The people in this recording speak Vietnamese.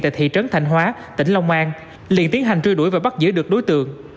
tại thị trấn thành hóa tỉnh long an liền tiến hành truy đuổi và bắt giữ được đối tượng